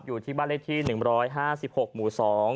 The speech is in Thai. อยู่ที่บ้านเลขที่๑๕๖หมู่๒